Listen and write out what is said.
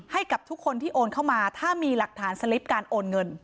ให้กับทุกคนที่โอนเข้ามาถ้ามีหลักฐานสลิปการโอนเงิน